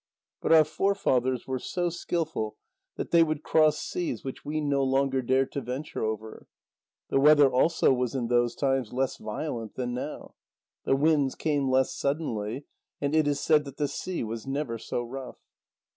But our forefathers were so skilful, that they would cross seas which we no longer dare to venture over. The weather also was in those times less violent than now; the winds came less suddenly, and it is said that the sea was never so rough.